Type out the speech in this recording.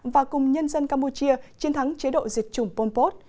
và cùng nhân dân campuchia chiến thắng chế độ diệt chủng pompot